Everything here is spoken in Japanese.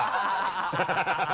ハハハ